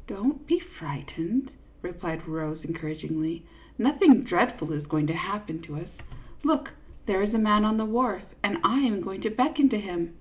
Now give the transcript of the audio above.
" Don't be frightened," replied Rose, encourag ingly ;" nothing dreadful is going to happen to us. Look, there is a man on the wharf, and I am going to beckon to him."